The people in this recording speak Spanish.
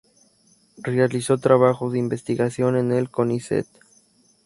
Realizó trabajos de investigación en el Conicet.